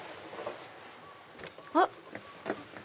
あっ！